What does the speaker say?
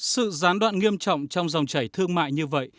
sự gián đoạn nghiêm trọng trong dòng chảy thương mại như vậy